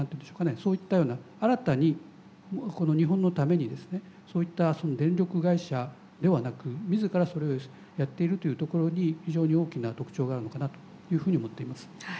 そういったような新たにこの日本のためにですねそういった電力会社ではなく自らそれをやっているというところに非常に大きな特徴があるのかなというふうに思っています。